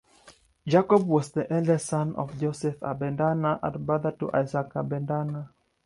Jacob was the eldest son of Joseph Abendana and brother to Isaac Abendana.